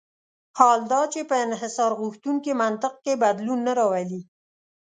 حال دا چې په انحصارغوښتونکي منطق کې بدلون نه راولي.